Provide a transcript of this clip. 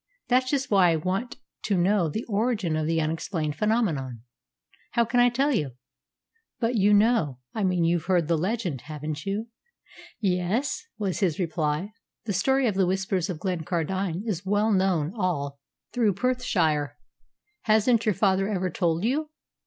"That's just why I want to know the origin of the unexplained phenomenon." "How can I tell you?" "But you know I mean you've heard the legend, haven't you?" "Yes," was his reply. "The story of the Whispers of Glencardine is well known all through Perthshire. Hasn't your father ever told you?"